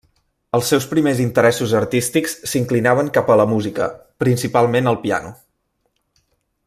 Els seus primers interessos artístics s'inclinaven cap a la música, principalment el piano.